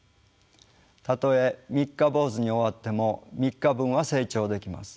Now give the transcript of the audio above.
たとえ三日坊主に終わっても３日分は成長できます。